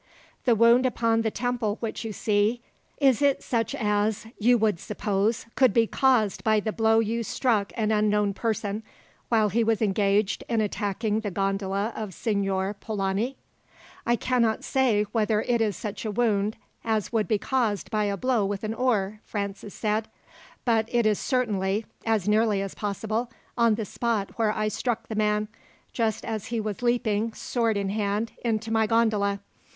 "The wound upon the temple which you see, is it such as, you would suppose, would be caused by the blow you struck an unknown person, while he was engaged in attacking the gondola of Signor Polani?" "I cannot say whether it is such a wound as would be caused by a blow with an oar," Francis said; "but it is certainly, as nearly as possible, on the spot where I struck the man, just as he was leaping, sword in hand, into my gondola."